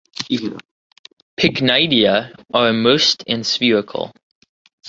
Pycnidia are immersed and spherical.